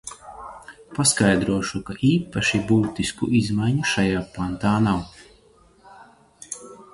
Paskaidrošu, ka īpaši būtisku izmaiņu šajā pantā nav.